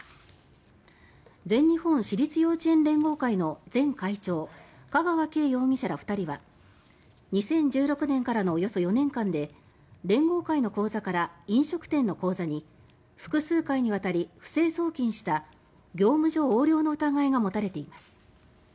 全日本私立幼稚園連合会の前会長・香川敬容疑者ら２人は２０１６年からのおよそ４年間で連合会の口座から飲食店の口座に複数回に渡り、不正送金した業務上横領の疑いが持たれています。